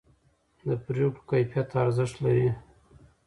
د پرېکړو کیفیت ارزښت لري